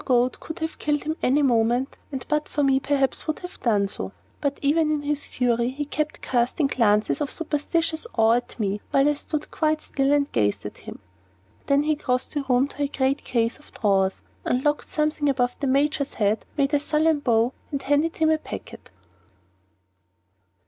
Goad could have killed him at any moment, and but for me perhaps would have done so. But even in his fury he kept on casting glances of superstitious awe at me, while I stood quite still and gazed at him. Then he crossed the room to a great case of drawers, unlocked something above the Major's head, made a sullen bow, and handed him a packet.